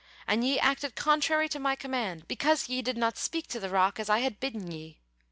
and ye acted contrary to My command because ye did not speak to the rock as I had bidden ye.